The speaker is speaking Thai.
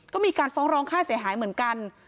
ก็มีการฟ้องร้องค่าเสียหายเหมือนกัน